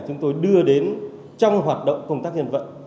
chúng tôi đưa đến trong hoạt động công tác dân vận